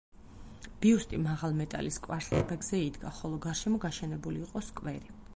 ბიუსტი მაღალ მეტალის კვარცხლბეკზე იდგა, ხოლო გარშემო გაშენებული იყო სკვერი.